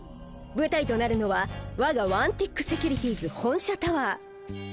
舞台となるのはわがワンティックセキュリティーズ本社タワー。